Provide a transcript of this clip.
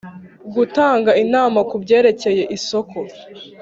Gutanga inama ku byerekeye isoko